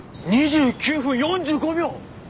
２９分４５秒！